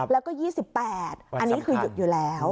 แล้วก็๒๘อันนี้คือหยุดอยู่แล้ว